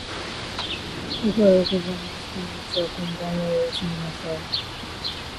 おはようございます。こんにちは。こんばんは。おやすみなさい。